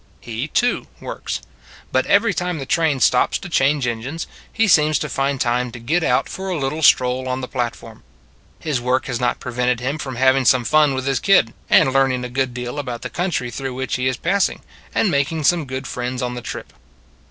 He, too, works. But every time the train stops to change engines, he seems to find time to get out for a little stroll on the platform. His work has not pre vented him from having some fun with his kid, and learning a good deal about the country through which he is passing, and making some good friends on the trip.